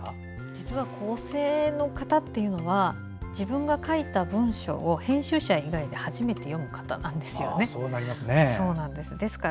実は、校正の方は自分が書いた文章を編集者以外で初めて読む方なんですよ。